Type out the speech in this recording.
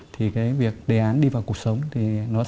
thì cái việc đề án đi vào cuộc sống thì nó sẽ sớm và nó sẽ tốt hơn